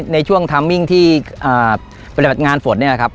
ในช่วงเทอมมิ่งที่บริบัติงานฝน